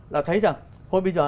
là thấy rằng